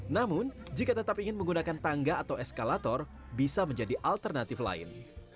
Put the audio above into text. namun jika tetap ingin menggunakan tangga atau eskalator bisa menjadi alternatif lain